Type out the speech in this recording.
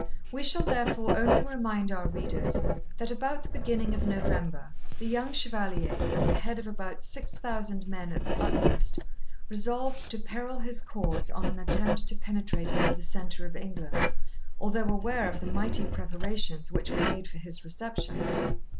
We shall therefore only remind our readers that about the beginning of November the Young Chevalier, at the head of about six thousand men at the utmost, resolved to peril his cause on an attempt to penetrate into the centre of England, although aware of the mighty preparations which were made for his reception.